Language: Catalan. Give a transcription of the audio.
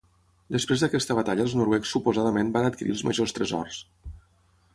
Després d'aquesta batalla els noruecs suposadament van adquirir els majors tresors.